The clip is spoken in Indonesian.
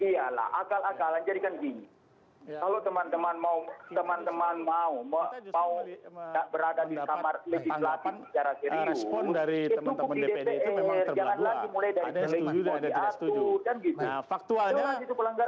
iya lah akal akalan jadi kan gini kalau teman teman mau teman teman mau berada di samar legislatif secara serius itu di dprd jangan lagi mulai dari ke tujuh dan ke tujuh dan gitu